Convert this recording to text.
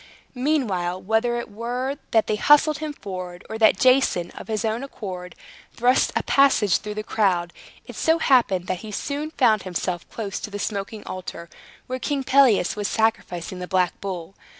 Meanwhile, whether it were that they hustled him forward, or that Jason, of his own accord, thrust a passage through the crowd, it so happened that he soon found himself close to the smoking altar, where King Pelias was sacrificing the black bull.